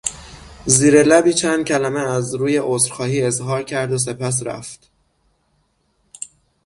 زیر لبی چند کلمه از روی عذر خواهی اظهار کرد و سپس رفت.